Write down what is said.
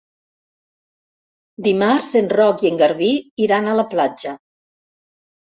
Dimarts en Roc i en Garbí iran a la platja.